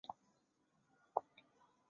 茶卡高原鳅为鳅科高原鳅属的鱼类。